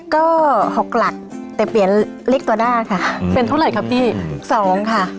ก็๖หลักแต่เปลี่ยนเลขตัวได้ค่ะเป็นเท่าไหร่ครับพี่สองค่ะ